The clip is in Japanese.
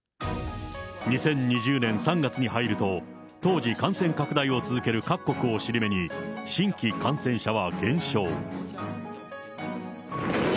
２０２０年３月に入ると、当時、感染拡大を続ける各国をしり目に、新規感染者は減少。